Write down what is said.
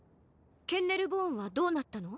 ケンネルボーンはどうなったの？